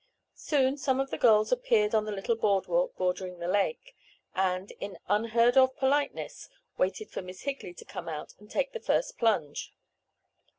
Soon some of the girls appeared on the little boardwalk bordering the lake, and, in unheard of politeness, waited for Miss Higley to come out and take the first plunge.